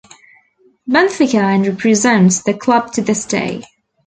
Benfica and represents the club to this day.